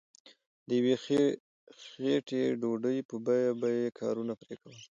د یوې خیټې ډوډۍ په بیه به یې کارونه پرې کول.